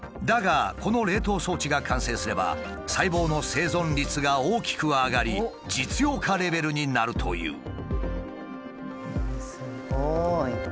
だがこの冷凍装置が完成すれば細胞の生存率が大きく上がり実用化レベルになるという。